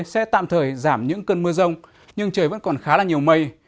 sẽ tạm thời giảm những cơn mưa rông nhưng trời vẫn còn khá là nhiều mây